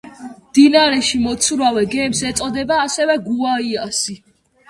მდინარეში მოცურავე გემს ეწოდება ასევე გუაიასი.